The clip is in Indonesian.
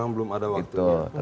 belum ada waktunya